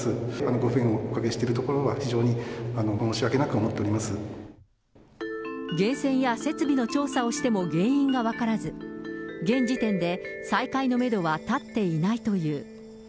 ご不便をおかけしているところは、源泉や設備の調査をしても原因が分からず、現時点で再開のメドは立っていないという。